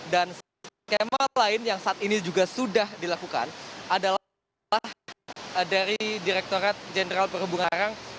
dan skema lain yang saat ini juga sudah dilakukan adalah dari direkturat jenderal perhubungan arang